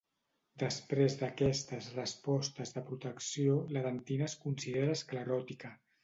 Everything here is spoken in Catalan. Després d"aquestes respostes de protecció, la dentina es considera escleròtica.